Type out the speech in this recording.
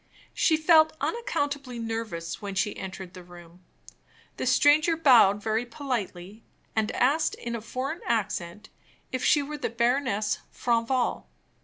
She felt unaccountably nervous when she entered the room. The stranger bowed very politely, and asked, in a foreign accent, if she were the Baroness Franval.